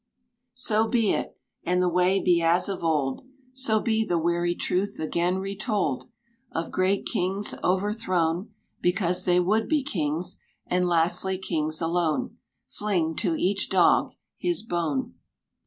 129] — So be it, and the way be as of old: So be the weary truth again retold Of great kings overthrown Because they would be kings, and lastly kings alone. Fling to each dog his bone.